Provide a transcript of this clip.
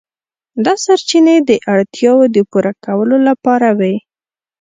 دا سرچینې د اړتیاوو د پوره کولو لپاره وې.